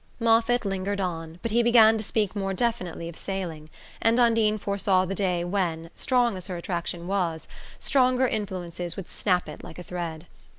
Moffatt lingered on; but he began to speak more definitely of sailing, and Undine foresaw the day when, strong as her attraction was, stronger influences would snap it like a thread.